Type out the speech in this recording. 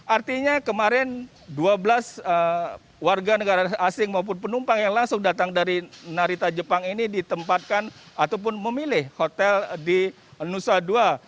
artinya kemarin dua belas warga negara asing maupun penumpang yang langsung datang dari narita jepang ini ditempatkan ataupun memilih hotel di nusa dua